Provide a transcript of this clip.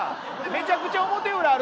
めちゃくちゃ表裏ある子。